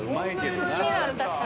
気になる確かに。